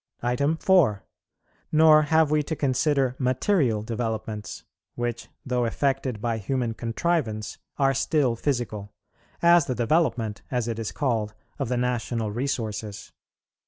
4. Nor have we to consider material developments, which, though effected by human contrivance, are still physical; as the development, as it is called, of the national resources.